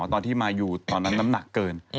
ตอนที่มาอยู่ตอนนั้นน้ำหนักเกิน